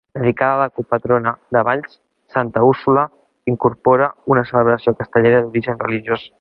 Dedicada a la copatrona de Valls, Santa Úrsula, incorpora una celebració castellera d'origen religiós.